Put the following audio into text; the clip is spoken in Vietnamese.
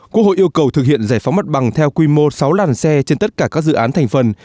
quốc hội yêu cầu thực hiện giải phóng mặt bằng theo quy mô sáu làn xe trên tất cả các dự án thành phần